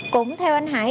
cũng theo anh hải